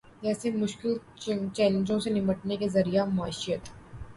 جیسے مشکل چیلنجوں سے نمٹنے کے ذریعہ معیشت